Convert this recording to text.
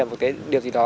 một cái điều gì đó